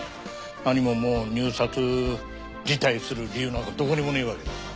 何ももう入札辞退する理由などどこにもないわけだからね。